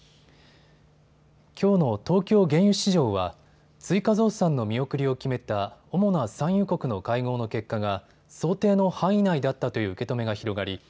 きょうの東京原油市場は追加増産の見送りを決めた主な産油国の会合の結果が想定の範囲内だったという受け止めが広がり